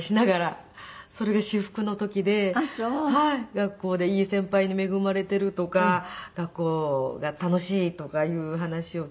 学校でいい先輩に恵まれているとか学校が楽しいとかいう話を聞きながら。